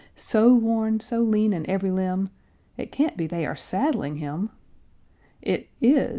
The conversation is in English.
So worn, so lean in every limb, It can't be they are saddling him! It is!